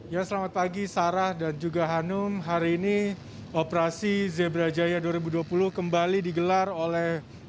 ya selamat pagi sarah dan juga hanum hari ini operasi zebra jaya dua ribu dua puluh kembali digelar oleh